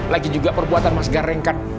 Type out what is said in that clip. lagi juga perbuatan mas gareng kan